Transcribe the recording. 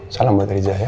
salam buat riza ya